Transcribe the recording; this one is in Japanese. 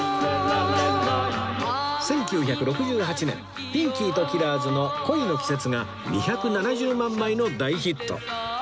１９６８年ピンキーとキラーズの『恋の季節』が２７０万枚の大ヒット